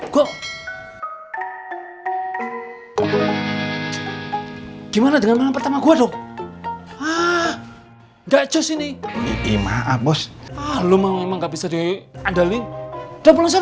gimana dengan pertama gua dong ah gak jauh sini maaf bos lu mau nggak bisa diandalkan